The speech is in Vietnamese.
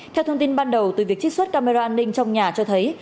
theo thông tin ban đầu từ việc trích xuất camera an ninh trong nhà cho thấy